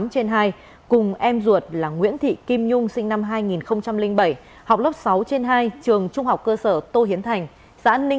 các em rủ nhau đến con suối